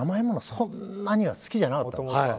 そんなに好きじゃなかったの。